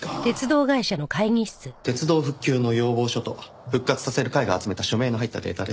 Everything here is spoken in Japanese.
鉄道復旧の要望書と復活させる会が集めた署名の入ったデータです。